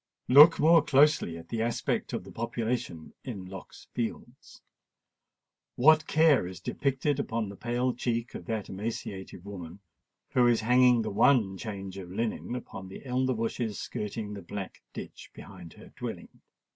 Look more closely at the aspect of the population in Lock's Fields. What care is depicted upon the pale cheek of that emaciated woman who is hanging the one change of linen upon the elder bushes skirting the black ditch behind her dwelling!